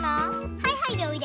はいはいでおいで。